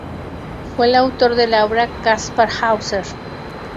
Fue el autor de la obra "Kaspar Hauser.